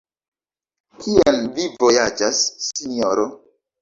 Kien vi vojaĝas, Sinjoro?